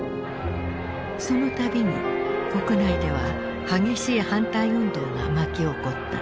そのたびに国内では激しい反対運動が巻き起こった。